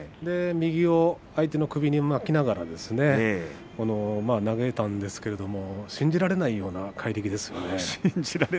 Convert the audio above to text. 右を相手の首に巻きながら投げたんですが信じられないような怪力ですね。